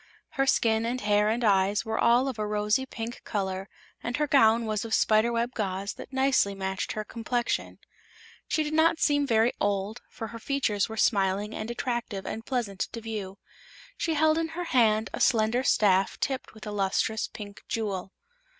Her skin and hair and eyes were all of a rosy pink color and her gown was of spider web gauze that nicely matched her complexion. She did not seem very old, for her features were smiling and attractive and pleasant to view. She held in her hand a slender staff tipped with a lustrous pink jewel.